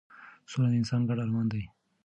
سوله د انسان ګډ ارمان دی